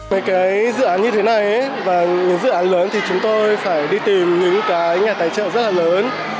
với cái dự án như thế này và những dự án lớn thì chúng tôi phải đi tìm những cái nhà tài trợ rất là lớn